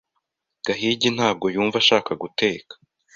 Gahigi ntabwo yumva ashaka guteka.